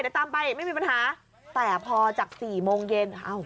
เดี๋ยวตามไปไม่มีปัญหาแต่พอจากสี่โมงเย็นอ้าว